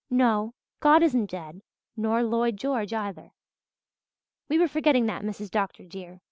"No, God isn't dead nor Lloyd George either. We were forgetting that, Mrs. Dr. dear.